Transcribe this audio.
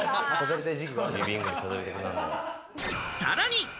さらに。